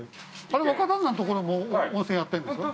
あれ、若旦那のところも温泉やってるんですか？